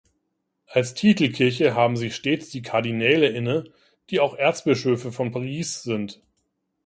Als Titelkirche haben sie stets die Kardinäle inne, die auch Erzbischöfe von Paris sind.